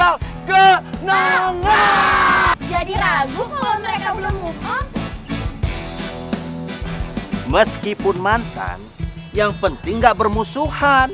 mereka itu kan